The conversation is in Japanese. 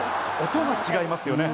音が違いますよね。